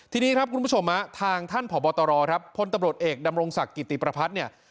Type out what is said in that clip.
ทีนี้ครับคุณผู้ชมทางท่านผอบตรครับพลตำรวจเอกดำรงศักดิ์กิติประพัฒน์เนี่ย